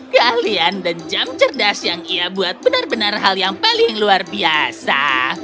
keahlian dan jam cerdas yang ia buat benar benar hal yang paling luar biasa